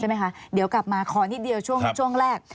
ไหมคะเดี๋ยวกลับมาขอนิดเดียวช่วงแรก